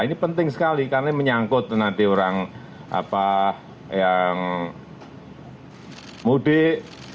ini penting sekali karena ini menyangkut nanti orang yang mudik